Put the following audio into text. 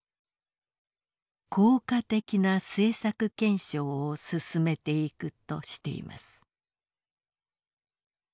「効果的な政策検証を進めていく」としています。